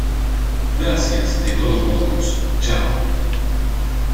gracias de todos modos. chao .